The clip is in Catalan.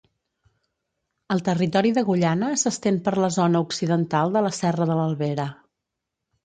El territori d'Agullana s'estén per la zona occidental de la serra de l'Albera.